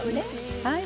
はい。